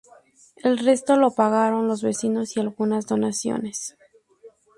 El resto lo pagaron los vecinos y algunas donaciones.